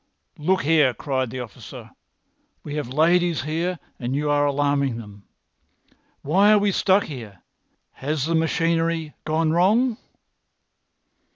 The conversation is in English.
"Look here!" cried the officer. "We have ladies here and you are alarming them. Why are we stuck here? Has the machinery gone wrong?"